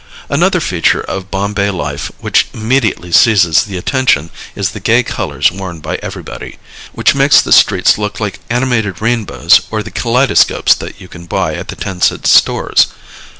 Another feature of Bombay life which immediately seizes the attention is the gay colors worn by everybody, which makes the streets look like animated rainbows or the kaleidoscopes that you can buy at the 10 cent stores.